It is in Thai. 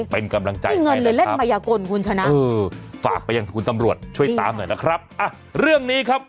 เป็นกำลังใจไปนะครับฝากไปยังคุณตำรวจช่วยตามหน่อยนะครับอ่ะเรื่องนี้ครับ